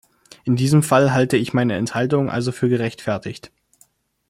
In diesem Fall halte ich meine Enthaltung also für gerechtfertigt.